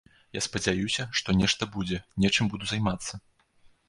Я спадзяюся, што нешта будзе, нечым буду займацца.